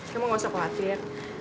kamu gak usah khawatir